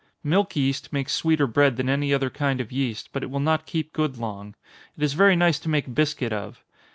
Milk yeast makes sweeter bread than any other kind of yeast, but it will not keep good long. It is very nice to make biscuit of.